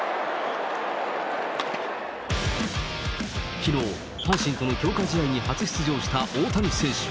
きのう、阪神との強化試合に初出場した大谷選手。